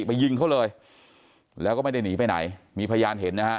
ไปยิงเขาเลยแล้วก็ไม่ได้หนีไปไหนมีพยานเห็นนะฮะ